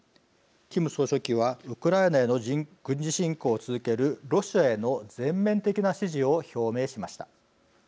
キム総書記はウクライナへの軍事侵攻を続けるロシアへの全面的な支持を表明しました。